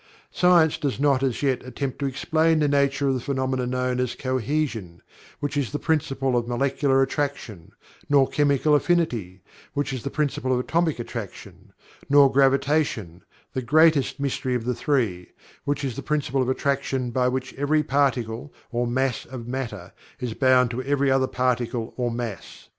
Science does not as yet attempt to explain the nature of the phenomena known as Cohesion, which is the principle of Molecular Attraction; nor Chemical Affinity, which is the principle of Atomic Attraction; nor Gravitation (the greatest mystery of the three), which is the principle of attraction by which every particle or mass of Matter is bound to every other particle or mass.